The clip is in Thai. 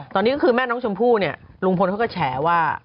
ตอนนี้ก็คือแม่น้องชมพู่เนี่ยลุงพลเขาก็แฉว่า